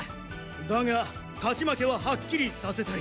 だが勝ち負けははっきりさせたい！